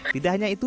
tidak hanya itu